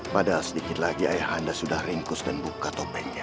padahal sedikit lagi ayahanda sudah ringkus dan buka topengnya